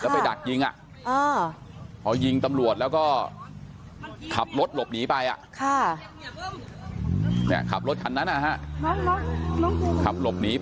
แล้วก็ไปดัดยิงทะวัดอย่างนั้นก็คับรถลบหนีไปคับรถครั้นนั้นค่ะ